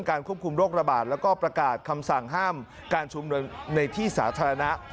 ควบคุมโรคระบาดแล้วก็ประกาศคำสั่งห้ามการชุมนุมในที่สาธารณะ